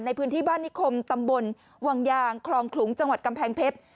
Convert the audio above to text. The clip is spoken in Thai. ในพื้นที่บ้านนิคมตำบลวังยางคลองขลุงจังหวัดกำแพงเพชร